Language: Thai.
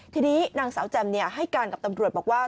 ทีนี้นางสาวแจ่มให้การกับตำรวจบอกว่า